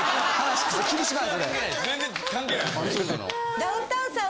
ダウンタウンさん。